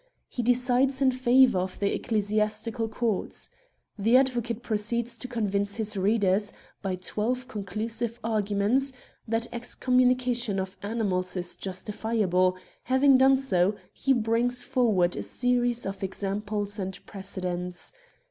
He decides in favour of the Ecclesiastical Courts. 63 Curiosities of Olden Times The advocate proceeds to convince his readers, by twelve conclusive arguments, that excommunication of animals is justifiable ; having done so, he brings forward a series of examples and precedents.